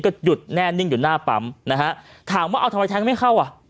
ก็หยุดแน่นิ่งอยู่หน้าปั๊มนะฮะถามว่าเอาทำไมแทงไม่เข้าอ่ะ